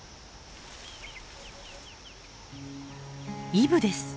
イブです。